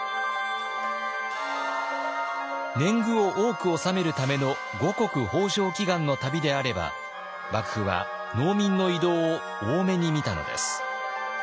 年貢を多く納めるための五穀豊穣祈願の旅であれば幕府は農民の移動を大目に見たのです。